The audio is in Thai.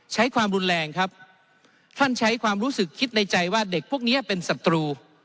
ใช้ความรุนแรงครับท่านใช้ความรู้สึกคิดในใจว่าเด็กพวกนี้เป็นศัตรู